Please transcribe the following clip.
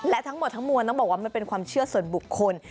และทั้งหมดทั้งมวลต้องบอกว่ามันเป็นความเชื่อส่วนบุคคล